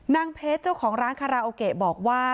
นางเพชรเจ้าของร้านคาราโอเกะบอกว่า